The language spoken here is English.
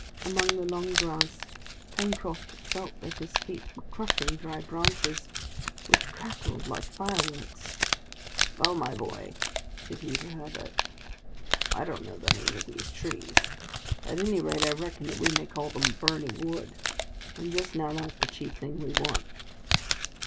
Among the long grass, Pencroft felt that his feet were crushing dry branches which crackled like fireworks. "Well, my boy," said he to Herbert, "if I don't know the name of these trees, at any rate I reckon that we may call them 'burning wood,' and just now that's the chief thing we want."